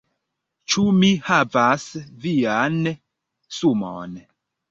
Ĉu mi havas vian sumon?